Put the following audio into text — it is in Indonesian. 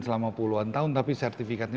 selama puluhan tahun tapi sertifikatnya